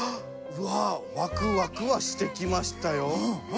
うわワクワクはしてきましたよ。